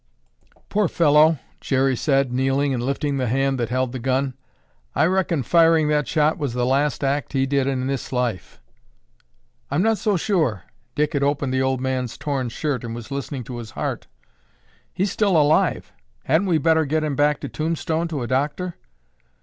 "Poor fellow," Jerry said, kneeling and lifting the hand that held the gun. "I reckon firing that shot was the last act he did in this life." "I'm not so sure." Dick had opened the old man's torn shirt and was listening to his heart. "He's still alive. Hadn't we better get him back to Tombstone to a doctor?"